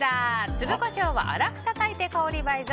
粒コショウは粗くたたいて香り倍増！